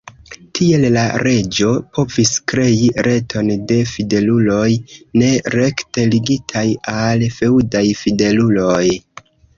Tiel la reĝo povis krei reton de fideluloj ne rekte ligitaj al feŭdaj fideluloj.